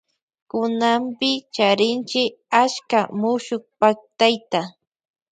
Kunanpi charinchi achka mushukpaktayta.